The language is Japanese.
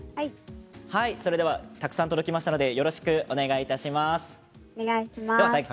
たくさん届きましたのでよろしくお願いします。